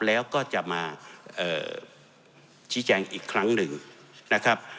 แล้วก็จะมาชี้แจงอีกครั้งหนึ่งนะครับ